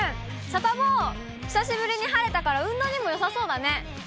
サタボー、久しぶりに晴れたから、運動にもよさそうだよね。